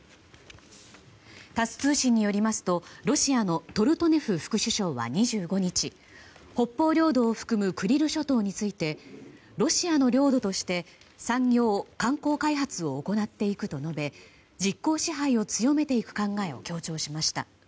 タス通信によりますとロシアのトルトネフ副首相は２５日、北方領土を含むクリル諸島についてロシアの領土として産業・観光開発を行っていくと述べ実効支配を強めていく考えを強調しました。